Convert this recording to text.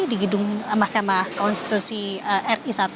di gedung mahkamah konstitusi ri satu